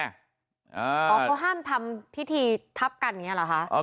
อ๋อเขาห้ามทำพิธีทับกันอย่างนี้เหรอคะ